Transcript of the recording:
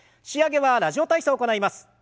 仕上げは「ラジオ体操」を行います。